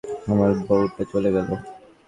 আমার বউটা চলে গেলো।